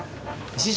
「師匠」